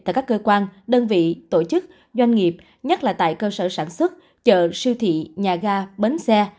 tại các cơ quan đơn vị tổ chức doanh nghiệp nhất là tại cơ sở sản xuất chợ siêu thị nhà ga bến xe